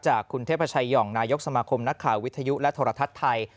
จากคุณเทพชัยห่องนายกสมาคมนักข่าววิทยุและโทรทัศน์ไทย